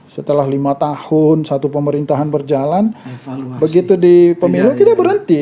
setelah lima tahun satu pemerintahan berjalan begitu di pemilu kita berhenti